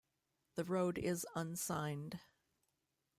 The road is unsigned.